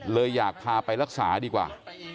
เลยอยากพาไปรักษาดีกว่า